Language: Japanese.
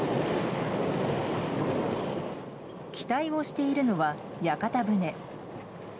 期待をしているのは、屋形船。